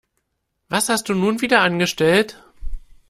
Was hast du nun wieder angestellt?